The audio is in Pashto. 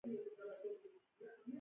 خاوره د افغانانو د معیشت سرچینه ده.